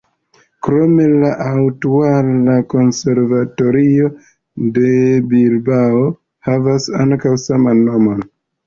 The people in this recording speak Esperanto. Krome la aktuala konservatorio de Bilbao havas ankaŭ saman nomon.